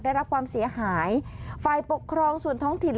ได้รับความเสียหายฝ่ายปกครองส่วนท้องถิ่น